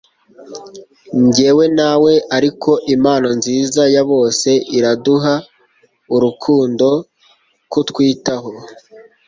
njyewe nawe ariko impano nziza ya bose iraduha urukundo kutwitaho